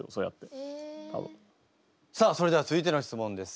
さあそれでは続いての質問です。